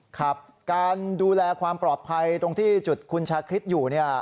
ครับการดูแลความปลอดภัยตรงที่จุดคุณชาคริสต์อยู่เนี่ย